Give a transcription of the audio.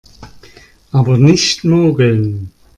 Aber nicht mogeln!